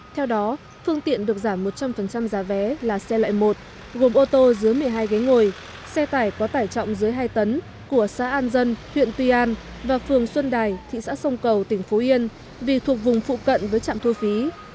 theo đó phương tiện được giảm một trăm linh giá vé là xe loại một gồm ô tô dưới một mươi hai ghế ngồi xe tải có tải trọng dưới hai tấn của xã an dân huyện tuy an và phường xuân đài thị xã sông cầu tỉnh phú yên vì thuộc vùng phụ cận với trạm thu phí